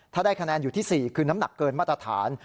ถ้าได้คะแนนอยู่ที่๔คือน้ำหนักเกินมาตรฐาน